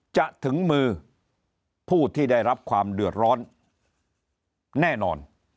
จะถึงมือผู้ที่ได้รับความเดือดร้อนแน่นอน